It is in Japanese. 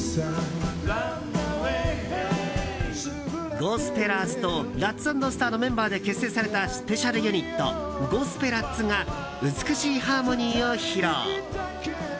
ゴスペラーズとラッツ＆スターのメンバーで結成されたスペシャルユニットゴスペラッツが美しいハーモニーを披露。